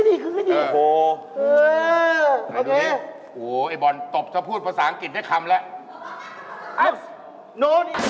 นี่เขามาเล่นเกมไอบ้าคนทำบ้าน